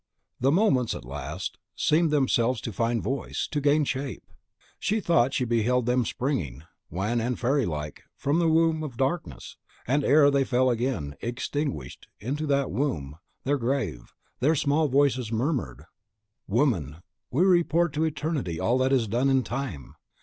The moments, at last, seemed themselves to find voice, to gain shape. She thought she beheld them springing, wan and fairy like, from the womb of darkness; and ere they fell again, extinguished, into that womb, their grave, their low small voices murmured, "Woman, we report to eternity all that is done in time!